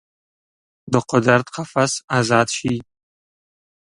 د قدرت قفس ازاد شي